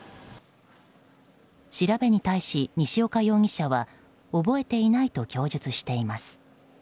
調べに対し、西岡容疑者は覚えていないと供述しています。